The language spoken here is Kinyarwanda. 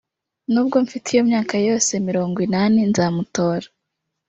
nubwo mfite iyo myaka yose mirongo inani nzamutora